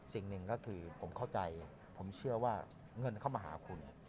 สิ่งหนึ่งก็คือผมเข้าใจผมเชื่อว่าเงินเข้ามาหาคุณ